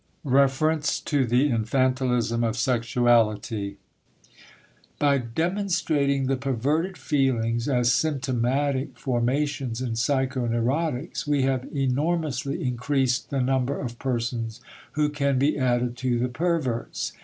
REFERENCE TO THE INFANTILISM OF SEXUALITY By demonstrating the perverted feelings as symptomatic formations in psychoneurotics, we have enormously increased the number of persons who can be added to the perverts.